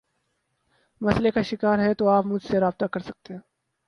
مسلئے کا شکار ہیں تو آپ مجھ سے رابطہ کر سکتے ہیں